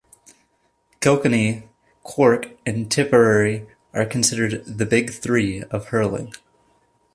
Kilkenny, Cork and Tipperary are considered "the big three" of hurling.